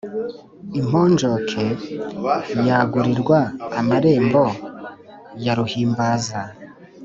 Imponjoke yagurirwa amarembo ya ruhimbaza